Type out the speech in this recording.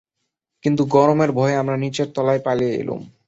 কিন্তু গরমের ভয়ে আমরা নীচের তলায় পালিয়ে এলুম।